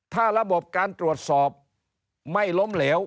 ถ้าระบบการตรวจสอบไม่ล้มเหลว